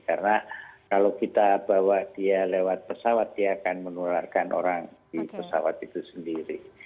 karena kalau kita bawa dia lewat pesawat dia akan menularkan orang di pesawat itu sendiri